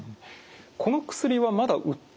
この薬はまだ売ってないんですか？